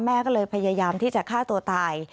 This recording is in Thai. แม่ก็เลยพยายามที่จะฆ่าตัวตาย